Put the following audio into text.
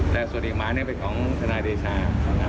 แต่ส่วนอีกหมายเป็นของทเดชา